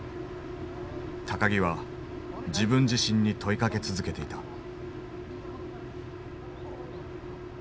木は自分自身に問いかけ続けていた。